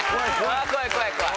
ああ怖い怖い怖い。